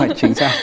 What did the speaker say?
đúng rồi chính xác